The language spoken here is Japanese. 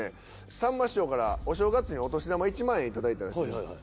さんま師匠からお正月にお年玉１万円頂いたらしいんですよ。